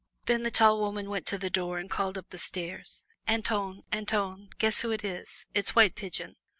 Then the tall woman went to the door and called up the stairway: "Antoine, Antoine, guess who it is? It's White Pigeon!"